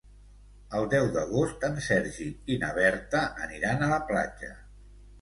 El deu d'agost en Sergi i na Berta aniran a la platja.